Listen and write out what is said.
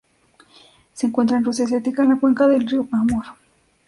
Se encuentra en Rusia asiática en la cuenca del Río Amur.